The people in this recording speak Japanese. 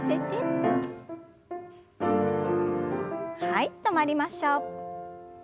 はい止まりましょう。